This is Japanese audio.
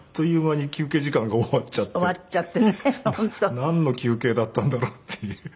なんの休憩だったんだろう？っていう。